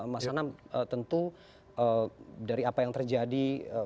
mas anam tentu dari apa yang terjadi